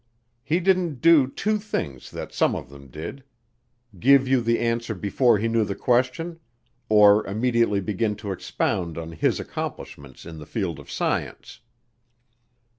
He didn't do two things that some of them did: give you the answer before he knew the question; or immediately begin to expound on his accomplishments in the field of science.